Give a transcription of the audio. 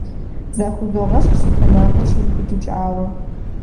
Захузогъэщхъ, си тэмакъыр щиубыдыкӀауэ.